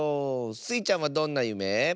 スイちゃんはどんなゆめ？